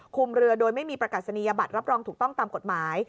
เรือโดยไม่มีประกาศนียบัตรรับรองถูกต้องตามกฎหมาย